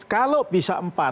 kalau bisa empat